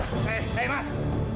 eh eh mas